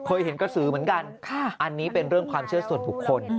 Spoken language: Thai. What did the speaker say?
เคยเห็นกระสือเหมือนกันอันนี้เป็นเรื่องความเชื่อส่วนบุคคล